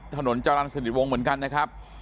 ถนนจรรย์สนิทวงศ์เหมือนกันนะครับ